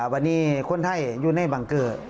วันนี้คนไทยอยู่ในบังเกอร์